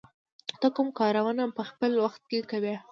ته کوم کارونه په خپل وخت کې کوې؟